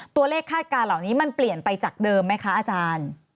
คาดการณ์เหล่านี้มันเปลี่ยนไปจากเดิมไหมคะอาจารย์